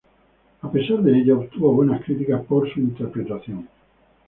A pesar de ello obtuvo buenas críticas por su interpretación.